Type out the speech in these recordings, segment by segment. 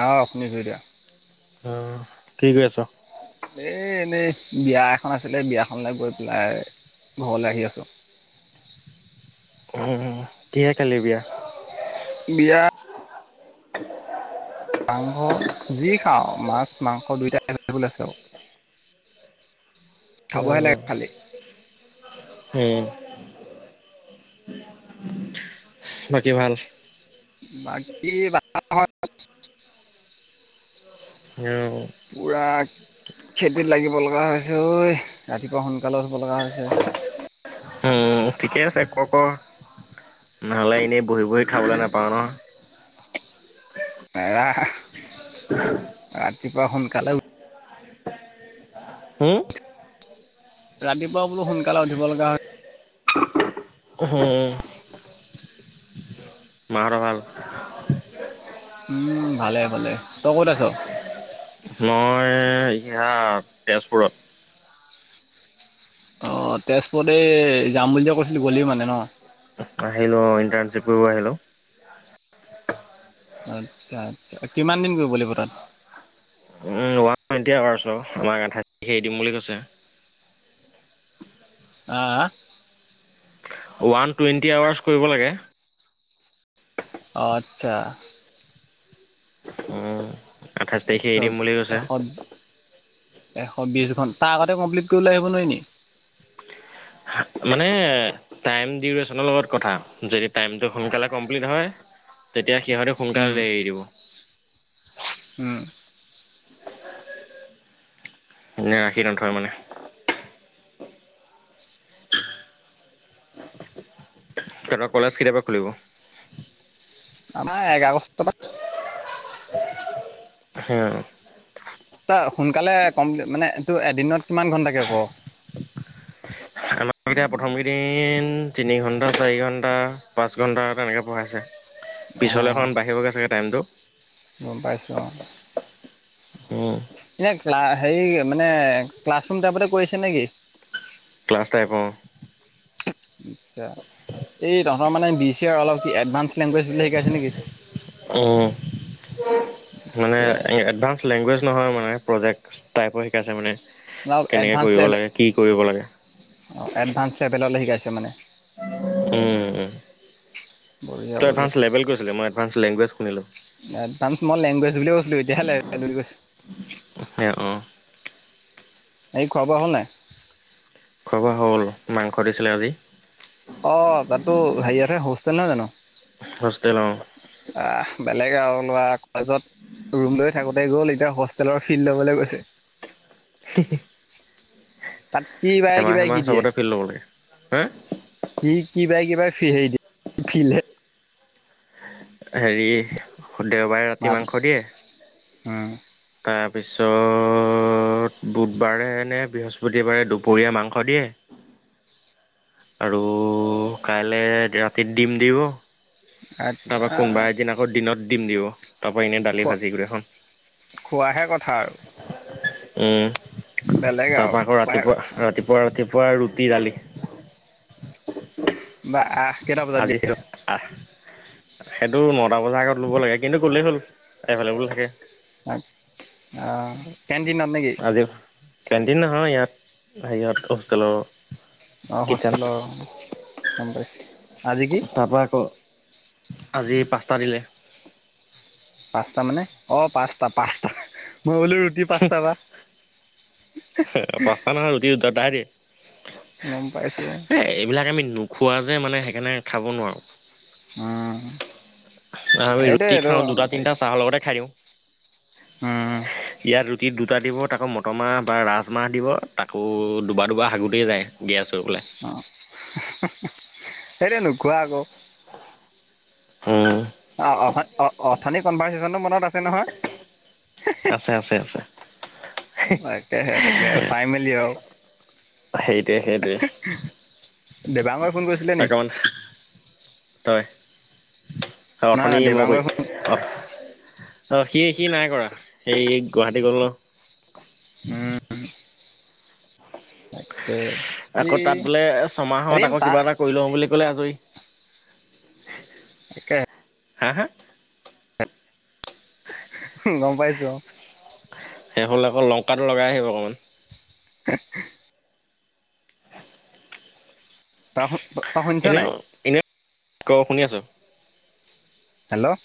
আ' আপুনি শুই দিয়া। অ কি কৰি আছ? এই এনেই বিয়া এখন আছিলে, বিয়াখনলৈ গৈ পেলাই ঘৰলৈ আহি আছোঁ। উম উম উম। কিহে খালী বিয়াখন? বিয়া মাংস যি খাওঁ মাছ - মাংস দুয়োটাই এভেইলেবল আছে আৰু। খাবহে লাগে খালি। উম। বাকী ভাল? বাকী। [inaudible] অ'। পুৰা খেতিত লাগিব লগা হৈছে ঐ ৰাতিপুৱা সোনকালে হব লগা হৈছে। অ' ঠিকে আছে ক কৰ, নহ'লে এনেই বহি বহি খাবলৈ নাপাওঁ ন? এৰা। উহু ৰাতিপুৱা সোনকালে উম, ৰাতিপুৱা বোলো সোনকালে উঠিব লগা হ হম, মাহঁতৰ ভাল। উম, ভালে-ভালে তই ক'ত আছ? মই ইয়াত তেজপুৰত। অ, তেজপুৰতে এই যাম বুলি যে কৈছিলোঁ গ'লেইও মানে ন। আহিলো ইণ্টাৰ্ণশ্বিপ কৰিব আহিলো। আচ্ছা কিমান দিন গৈ ব লাগিব তাত? অ, এতিয়াছ আমাক আঠাইছ এৰি দিম বুলি কৈছে। আহ ওৱান টুৱেণ্টি আৱাৰ্চ কৰিব লাগে। অ, আচ্ছা। উম, আঠাইছ তাৰিখে এৰি আচ্ছা দিম বুলি কৈছে। এশ এশ বিশ ঘন তাৰ আগতে কমপ্লিট কৰি লৈ আহিব নোৱাৰি নি? মানে টাইউৰেনৰ লগত কথা যদি টাইম টো সোনকালে কমপ্লিট হয়। তেতিয়া সিহঁতি উম সোনকালে এৰি দিব। উম, এনে ৰাখি নথয় মানে। [inaudible] তাৰ পা কলেজ কেতিয়াপা খুলিব? আমাৰ এক আগষ্ট পা হম, ত সোনকালে কমপ্লিট মানে এইটো এদিনত কিমান ঘণ্টাকে হুও আমাৰ এতিয়া প্ৰথম কেইদিন তিনি ঘন্টা চাৰি ঘন্টা পাঁচ ঘণ্টা তেনেকে পঢ়াইছে। অ পিছলেখন বাঢ়িবগৈ চাগে টাইমতটো। গম পাইছো অ, উম, এনেই ক্লা হেৰি মানে ক্লাছৰুম টাইপতে কৰিছে নেকি? ক্লাছ টাইপ অ, আচ্ছা এই তহঁতৰ মানে বি চি অলপ কি এডভানস লেংগুৱেজ বিলাম শিকাইছে নেকি? উম, মানে আচ্ছা এডভাঞ্চ লেংগুৱেজ নহয় মানে প্ৰজেক্ট টাইপৰ শিকাইছে মানে অলপ কেনেকে কৰিব লাগে কি কৰিব লাগে? অ, এডভানঞ্চ লেভেললে শিকাইছে মানে। উম বঢ়িয়া তই বঢ়িয়া এডভাঞ্চ লেভেল কৈছিলি মই এডভাঞ্চ লেংগুৱজ শুনিলো। এ্মল লেংগুৱেজ বুলি কৈ এতিয়াহে বুলি কৈচো। এ অ, এই খোৱা বোৱা হ'ল নাই। খোৱা বোৱা হ'ল মাংস দিছিলে আজি। অ, তাতো হেৰি য়ত হে হোষ্টেল নহয় জানো? হোষ্টেল অ, বাহ বেলেগ আৰু লৰা কলেজত ৰুম লৈ থাকোতে গ'ল এতিয়া হোষ্টেলৰ ফিল্ড ল'বলৈ গৈছে। হি-হি। তাত কি বাই কিবাই এমাহ-এমাহ কি দিয়ে চবতে ফিল ল'ব লাগে হা কি কিবা-কিবা হে ফিল হে হেৰি দেওবাৰে ৰাতি মাছ মাংস দিয়ে। উম, তাৰপিছত বুধবাৰেনে বৃহস্পতিবাৰে দুপৰীয়া মাংস দিয়ে। আৰু কাইলে ৰাতিত দিম দিব। আচ্ছা তাৰপা কোনবা এদিন আকৌ দিনত দিম দিব। তা পা এনেই দালি খোৱা ভাজি গোটেইখন। খোৱাহে কথা আৰু উম বেলেগ তাৰ আৰু পা আকৌ খোৱা ৰাতিপুৱা ৰাতিপুৱা ৰাতিপুৱা ৰুটি দালি। বা আহ। কেইটা বজাত আজি দিয়ে আহ সেইটো নটা বজাৰ আগত ল'ব লাগে কিন্তু ক'লেই হ'ল এভেলেবল থাকে। অ কেণ্টিনত নেকি? আজি কেণ্টিন নহয় ইয়াত সেইয়ত হোষ্টেলৰ অ কিটচেন হোষ্টেলৰ গম পাইছ আজি কি তা পা আকৌ আজি পাছটা দিলে। পাঁচটা মানে অ পাঁচটা পাঁচটা মই বোলো ৰুট- দুই পাঁচটা বা [unintelligible] দি দদাই দে গম পাইছোঁ অ। এই এইবিলাক আমি নোখোৱা যে মানে সেইকাৰণে খাব নোৱাৰোঁ। অহ। আমি ৰুটি খাওঁ দুটা তিনটা নাথাকিলে চাহৰ লগতে খাই দিওঁ। অঁ ইয়াত ৰুটিত দুটা দিব তাকৌ মটৰমাহ বা ৰাজমাহ দিব তাকো দুবা দুবা সাগুতেই যায় গেছ হৈ পেলাই অ [unintelligible] সেইটো নোখোৱা আক। উম। অ অ অ অথানি কনভাৰ্চচনো মনত আছে নহয়। [unintelligible] আছে আছে আছে তাকে সে তাকে চাই মেলি আও। সেইটোৱে সেইটোৱে [unintelligible] দেবাঙগৰে ফোন কৰিছিলে নি। অকমান তই নাই অথনি নাই মই কই দেবাংগই ফোন অ অ হি হি নাই কৰা হি গুৱাহাটী গ'ল ন। উম, তাকে সি আকৌ তাত বোলে ছমাহত এদিন আকৌ তা কিবা এটা। কৰি লওঁ বুলি ক'লে আজৰি। তাকে হা হা গম পাইছো অ। সেই হ'লে আক লংকাত লগাই আহিব অকমন। [unintelligible] তাহ ত এনেও এনে ক শুনি আছো। হেল্ল'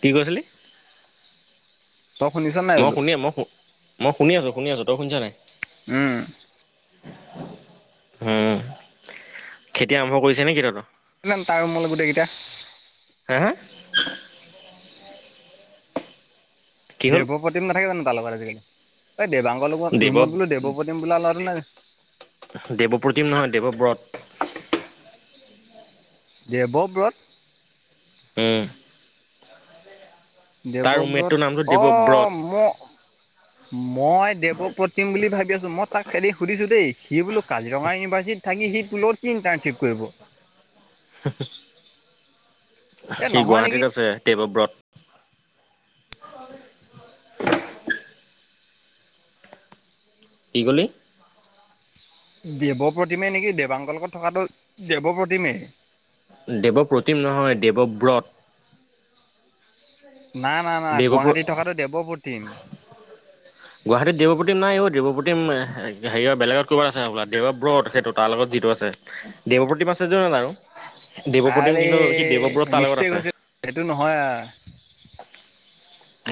কি কৈছিলি? তই শুনিছ নাই মই বোলো শুনি মই শু- মই শুনি আছো আছো। তই শুনিছ নাই? উম। উম খেতি আৰম্ভ কৰিছে নেকি তহঁত? [unintelligible] তাৰ ৰুমলে গোটেইকেইটা। হে হে? কি হ'ল দেৱপ্ৰতিম নাথাকে জানো তাৰ লগত আজিকালি, এই দেৱাংগৰ লগত দেৱ ৰুমত বোলো দেৱপতিম বোলা লৱাটো নাই। দেৱপ্ৰতিম নহয় দেৱব্ৰত। দেৱব্ৰত। উম। তাৰ দেৱব্ৰত ৰুমমেটটোৰ নামটো অ দেৱব্ৰত ম- মই দেৱপ্ৰতিম বুলি ভাবি আছো মই তাক হেৰি সুধিছো দেই সি বোলো কাজিৰঙা ইউনিভাৰ্চিট- থাকি সি তো লগত কি ইণ্টাৰণশ্বিপ কৰিব। [unintelligible] এই সি নহয় নেকি গুৱাহাটীত আছে দেৱব্ৰত। কি কলি? দেৱ প্ৰতিমে নেকি দেৱাংগ লগত থকাটো দেৱ প্ৰতিমে। দেৱপ্ৰতিম নহয় দেৱব্ৰত। নাই-নাই-নাই দেৱপ্ৰ গুৱাহাটীত থকাটো দেৱপ্ৰতিম। গুৱাহাটীত দেৱপ্ৰতিম নাই ও দেৱপ্ৰতিম হেৰিয় বেলগত ক'ৰবাত আছে হবলা দেৱব্ৰত সেইটো তাৰ লগত যিটো আছে। দেৱপ্ৰতিম আছে [unintelligible] দেৱপ্ৰতিম কিন্তু কি দেৱব্ৰত তাৰ লগত আছে। এইটো নহয় আৰ।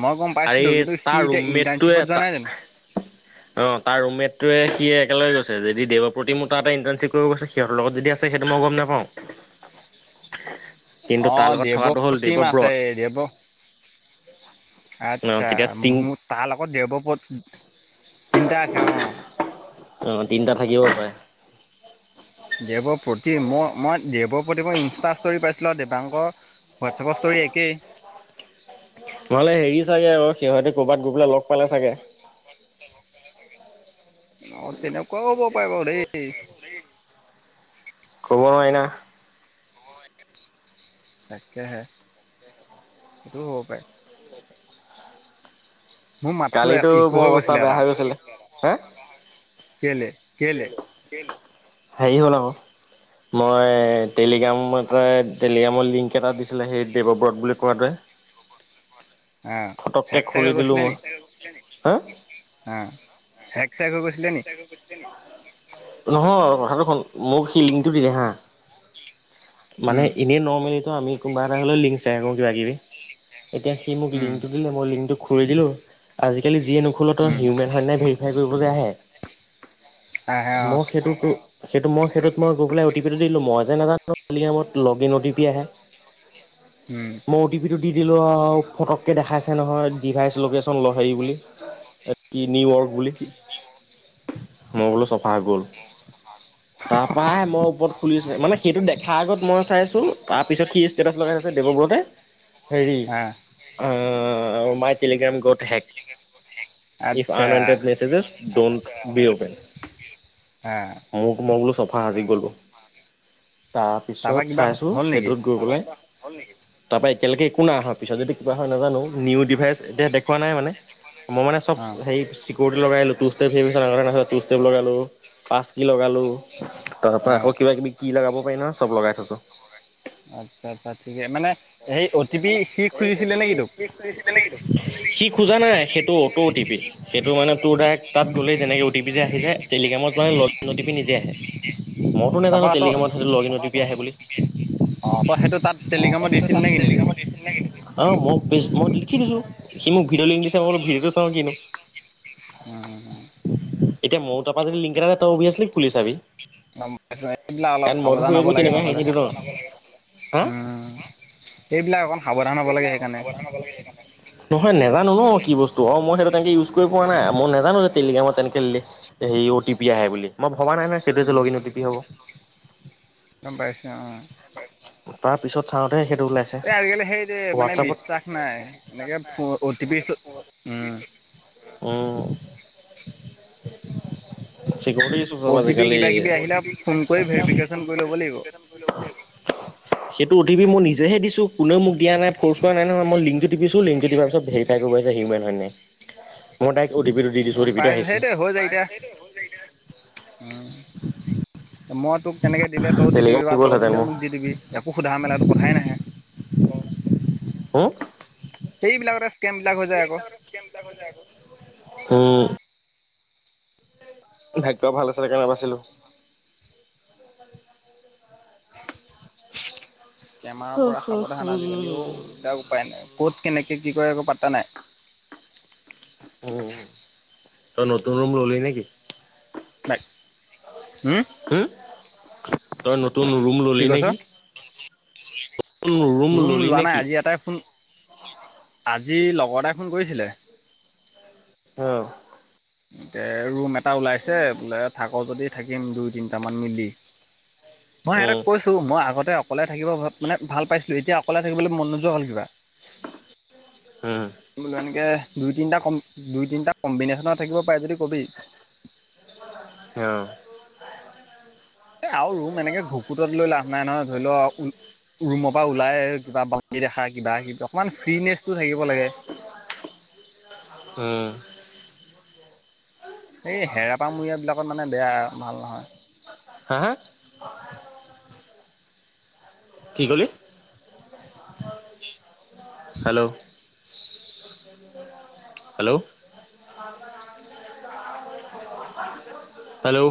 মই গম আৰে পাইছিলোঁ কিন্তু তাৰ সি এতিয়া ৰুমমেটটোৱে ইটাৰ্ণশ্বিপত যোৱা নাই জানো? অ, তাৰ ৰুমমেট টোৱে সিয়ে একেলগ গৈছে যদি দেৱ প্ৰতিমো তাত ইণ্টাৰ্নশিপ কৰিব গৈছে সিহঁতৰ লগত যদি আছে সেইটো মই গম নেপাওঁ। কিন্তু তাৰ লগত থকাটো হ'ল দেৱব্ৰত। এ দেৱ অ' আচ্ছা তেতিয়া তিন মোৰ তাৰ লগত দেৱব্ৰত তিনটা আছে অ, অ, তিনটা থাকিব পাৰে। দেৱ প্ৰতিম মই -মই দেৱ প্ৰতিমৰ ইনষ্টা ষ্টৰি পাইছিলোঁ আৰু দেৱাংকৰ হোৱাটছএপৰ ষ্টৰি একেই। তোমালোকে হেৰি চাগে আৰু সিহঁতে ক'ৰবাত গৈ পেলাই লগ পালে চাগে। অ, তেনেকুৱাও হ'ব পাৰে বাৰু দেই। ক'ব নোৱাৰি না। তাকেহে সেইটোও হ'ব পাৰে। মোৰ মাতটো কালিতো ইকো মোৰ হৈ অৱস্থা গৈছিলে বেয়া এটা হৈ গৈছিলে এ কেলে কেলে হেৰি হ'ল আক মই টেলিগ্ৰাম এটাই টেলিগ্ৰামৰ লিংক এটা দিছিলে সেই দেৱব্ৰত বুলি কোৱাটোৱে। [inaudible] আ ফটককে হেক চেক হৈ খুলি দিলো গৈছিলে মই নি? হা হা হেক চেক হৈ গৈছিলে নি? নহয় কথাটো শুন মোক সি লিংটো দিলে হা মানে উম এনেই নৰ্মেলিতো আমি কোনোবা এটা হ'লেও লিংক শ্বেয়াৰ কৰোঁ কিবা-কিবি এতিয়া সি মোক উম লিংকটো দিলে মই লিংকটো খুলি দিলো আজিকালি যিয়ে নোখোলোঁ [unintelligible] উম হেই কৰিব যে আহে আহে অ মোক সেইটো সেইটো মই সেইটোত গৈ পেলাই অ টি পি টো দিলো মই যে নেজা [unintelligible] লগিন অ টি পি আহে। উম, মই অ টি পিটো দি দিলোঁ অ'ফটকে দেখাইছে নহয় ডিভাইচ লকেচন [unintelligible] ল'হেৰী বুলি এ কি নিউয়ৰ্ক বুলি। মই বোলো চফা হৈ গ'ল তাৰ পা হে মই ওপৰত খুলিছে মানে সেইটো দেখ থা আগত মই চাইছোঁ তাৰপিছত সি ষ্টেটাছ লগাই আছে দেৱব্ৰতে হেৰি অ অ, my Telegram got hack if আচ্ছা unwanted messages don't be open. আ মোৰ মই বোলো চফা আঁজি গলো। [inaudible] তাৰ তাৰপা পিছত কিবা চাইছো হ'ল নেকি সেইটোত গৈ পেলাই তাপা এতিয়ালৈকে একো নাই অহা পিছত যদি কিবা হয় নাজানো নিউ ডিভাইচ এতিয়া দেখোৱা নাই মানে। মই মানে চবচ অ হেৰি [unintelligible] কুৰ্তি লগাই [unintelligible] ষ্টেপ লগালোঁ টাছকি লগালোঁ। তাৰ অ পা আকৌ কিবা কিবি কি লেগাব পাৰি ন চব লগাই থৈছো। আচ্ছা- আচ্ছা ঠিকে মানে সেই অ' টি পি চি খুজিছিলে নেকি তোক? [unintelligible] সি খোজা নাই সেইটো অটো টি পি সেইটো মানে তোৰ ডাইৰেক্ট তাত গলে যেনেকে অ টি পি যে আহিছে টেলিগ্ৰামত মানে অ টি পি নিজে আহে। মইতো নাজানো তাৰপা ত টেলিগ্ৰামত সেইটো log in O T P আহে বুলি। অ' তই সেইটো তাত টেলিগ্ৰামত দিছিল নেকি নিজে? অ' মই বেছ- মই লিখি দিছোঁ। সি মোক ভিডিঅ' লিংক দিছে, মই বোলো ভিডিঅ'টো চাওঁ, কিনো। এতিয়া ময়ো তাৰপৰা যদি লিংক এটা দ- তই অভিয়াচলি খুলি চাবি। [unintelligible] এইবিলাক অলপ কাৰণ মইতো সাৱধান হ'ব একো লাগে তেনেকুৱা হেৰি নহলে। নিদিওঁ ন হা উম। সেইবিলাক অকণ সাৱধান হ'ব লাগে সেইকাৰণে। নহয় নাজানো ন' কি বস্তু। অ', মই সেইটো তেনেকে ইউজ কৰি পোৱা নাই। মই নাজানো যে টেলিগ্ৰামত তেনেকে হেই অ টি পি আহে বুলি। মই ভবা নাই নহয় সেইটো যে log in O T P হব। গম পাইছো অ' তাৰ পিছত চাওঁতে সেইটো ওলাইছে। যে মানে হোৱাটছআপত বিশ্বাস নাই। মানে বিশ্বাস এনেকে নাই ফো- অ টি পি ছ-, উম। উম। চিকিয়ৰিটি ইছ্যু চব অ' টি পি আজিকালি। কিবা কিবি অ আহিলে টি পি ফোন কিবাকিবি কৰি আহিলে মোক ভেৰিফিকেশ্যন ফোন কৰি ল'ব লাগিব। সেইটো অ টি পি মই নিজেহে দিছোঁ। কোনেও মোক দিয়া নাই, ফৰ্চ কৰা নাই নহয়। মই লিংকটো টিপিছোঁ। লিংকটো টিপাৰ পিছত ভেৰিফাই কৰিব আহিছে হিউমেন হয় নে নাই। মই ডাইৰেক্ট অ টি পি টো দি দিছোঁ। অ গম টি পিটো পাইছো আহিছে। সেইটোৱে হুম, মই তোক তেনেকৈ দিলে তইও দি দিবি টেলিগ্ৰাম বা তই গ'লহেঁতেন দিলে মোৰ মোক দি দিবি। একো সোধাতো মেলাটো কথাই নাহে। হুম? সেইবিলাকতে স্কেমবিলাক হৈ যায় আক'। হুম। ভাগ্য ভাল আছিলে কাৰণে বাছিলোঁ। স্কেমাৰৰ পৰা সাৱধান আজিকালি ঔ। এতিয়া উপায় নাই। ক'ত কেনেকে কি কৰে একো পাত্তা নাই। উম। তই নতুন ৰুম ল'লি নেকি? নাই। উম? হুম? তই নতুন ৰুম কি ল'লি কৈছ নেকি? নতুন ৰুম ললি লোৱা নাই। নেকি আজি এটাই ফোন আজি লগৰ এটাই ফোন কৰিছিলে। অ'। তে ৰুম এটা ওলাইছে। বোলে থাক যদি, থাকিম দুই-তিনটামান মিলি। মই সিহঁতক উম, কৈছোঁ, মই আগতে অকলে থাকিব ভা- মানে ভাল পাইছিলোঁ। এতিয়া অকলে থাকিবলৈ মন নোযোৱা হ'ল কিবা। হুম। বোলো এনেকে দুই-তিনিটা কম- দুই-তিনিটা কম্বিনেশ্যন থাকিব পাৰে যদি, কবি। অ'। এ আৰু ৰুম এনেকে ঘকুতত লৈ লাভ নাই নহয়। ধৰি ল ৰুমৰ পৰা ওলায়ে কিবা বাল্টি দেখা, কিবা কি- অকমান ফ্ৰি নেছটো থাকিব লাগে। উম। এই হেৰাপামূৰিয়াবিলাকত মানে বেয়া, ভাল নহয়। হা - হা? অ [unintelligible] কি ক'লি? হেল্ল'? হেল্ল'? হেল্ল'?